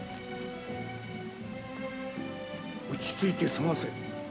落ち着いて捜せ。